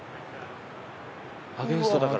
アゲンストだから。